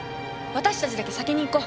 私たちだけ先に行こう。